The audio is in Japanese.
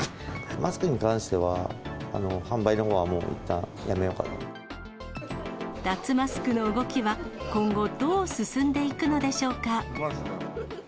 マスクに関しては、販売のほうは脱マスクの動きは、今後、どう進んでいくのでしょうか。